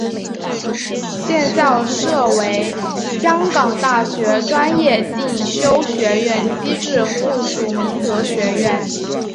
现校舍为香港大学专业进修学院机构附属明德学院。